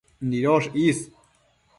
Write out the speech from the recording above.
nidosh is